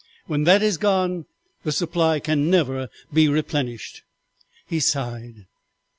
When that is gone the supply can never be replenished.' "He sighed.